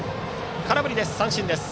空振り三振です。